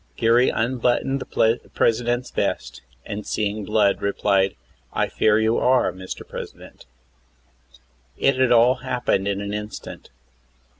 Geary unbuttoned the President's vest, and, seeing blood, replied: "I fear you are, Mr. President." It had all happened in an instant.